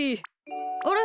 あれ？